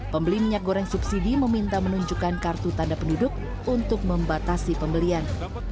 pembeli minyak goreng subsidi meminta menunjukkan kartu tanda penduduk untuk membatasi pembelian